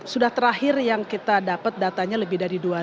sudah terakhir yang kita dapat datanya lebih dari dua ratus